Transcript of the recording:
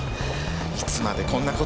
いつまでこんな事。